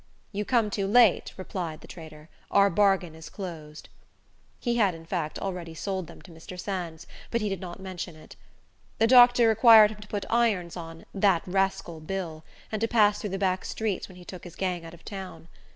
"You come too late," replied the trader; "our bargain is closed." He had, in fact, already sold them to Mr. Sands, but he did not mention it. The doctor required him to put irons on "that rascal, Bill," and to pass through the back streets when he took his gang out of town.